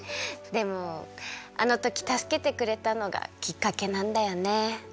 でもあのときたすけてくれたのがきっかけなんだよね。